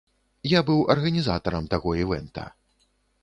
Я быў арганізатарам таго івэнта.